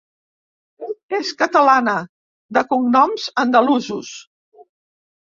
És catalana, de cognoms andalusos.